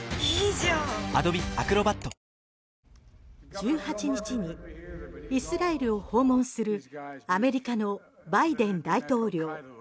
１８日にイスラエルを訪問するアメリカのバイデン大統領。